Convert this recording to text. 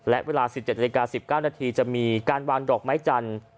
และเวลา๑๗นาฬิกา๑๙นาทีจะมีการวางดอกไม้จันทร์